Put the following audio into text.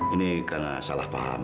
ini karena salah paham